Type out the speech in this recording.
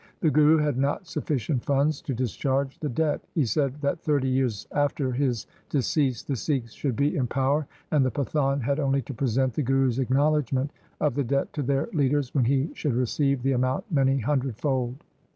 The Guru had not sufficient funds to discharge the debt. He said that thirty years after his decease the Sikhs should be in power, and the Pathan had only to present the Guru's acknowledgement of the debt to their leaders, when he should receive the amount many hundredfold.